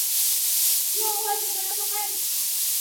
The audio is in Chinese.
它介于战术弹道飞弹和洲际弹道飞弹之间。